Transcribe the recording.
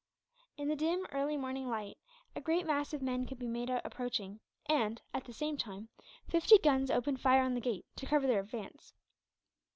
In the dim early morning light, a great mass of men could be made out approaching and, at the same moment, fifty guns opened fire on the gate, to cover their advance.